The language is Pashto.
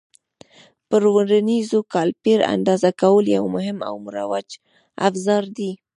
پر ورنیز کالیپر اندازه کول یو مهم او مروج افزار دی.